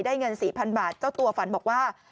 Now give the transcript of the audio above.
เงิน๔๐๐๐บาทเจ้าตัวฝันบอกว่า